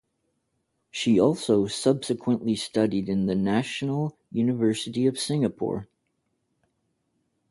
She also subsequently studied in the National University of Singapore.